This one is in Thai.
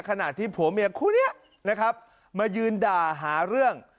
ขณะที่ผัวเมียคู่นี้นะครับมายืนด่าหาเรื่อง